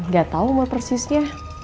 gak tau umur persisnya